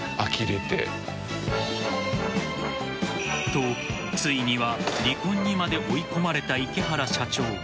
と、ついには離婚にまで追い込まれた池原社長。